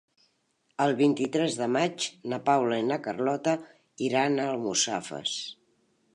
El vint-i-tres de maig na Paula i na Carlota iran a Almussafes.